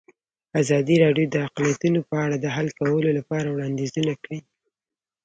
ازادي راډیو د اقلیتونه په اړه د حل کولو لپاره وړاندیزونه کړي.